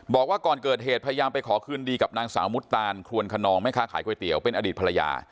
บอกว่าก่อนเกิดเหตุพยายามไปขอคืนดีกับนางสาวมุตตานคลวนคนนองแม่ค้าขายก๋วยเตี๋ยวเป็นอดีตภรรยา